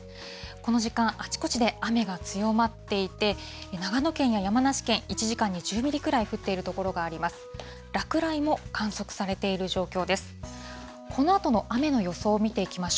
この時間、あちこちで雨が強まっていて、長野県や山梨県、１時間に１０ミリぐらい降っている所があります。